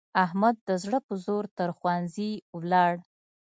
احمد د زړه په زور تر ښوونځي ولاړ.